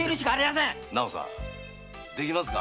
できますか？